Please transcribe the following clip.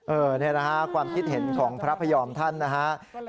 เออนี่นะครับความคิดเห็นของพระพยอมท่านนะครับ